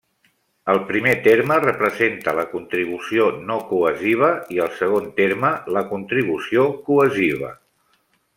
El primer terme representa la contribució no cohesiva i el segon terme la contribució cohesiva.